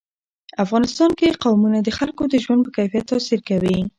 افغانستان کې قومونه د خلکو د ژوند په کیفیت تاثیر کوي.